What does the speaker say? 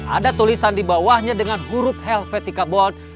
ada tulisan di bawahnya dengan huruf helvetical bond